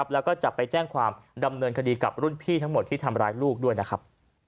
แล้วก็จะไปแจ้งความดำเนินคดีกับรุ่นพี่ทั้งหมดที่ทำร้ายลูกด้วยนะครับ